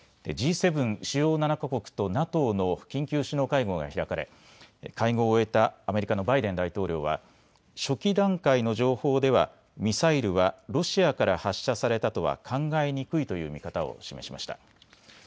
Ｇ７・主要７か国とＮＡＴＯの緊急首脳会合が開かれ会合を終えたアメリカのバイデン大統領は初期段階の情報ではミサイルはロシアから発射されたとは考えにくいという見方を示しました。